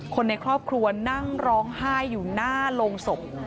คนในครอบครัวนั่งร้องไห้อยู่หน้าโรงศพ